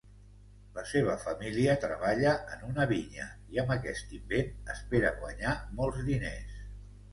La seva família treballa en una vinya, i amb aquest invent espera guanyar molts diners.